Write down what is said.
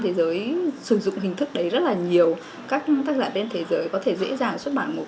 thế giới sử dụng hình thức đấy rất là nhiều các tác giả trên thế giới có thể dễ dàng xuất bản một